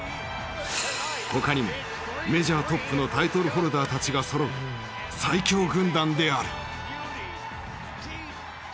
他にもメジャートップのタイトルホルダーたちがそろう最強軍団である。